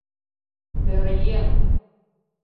— Пӧръеҥ!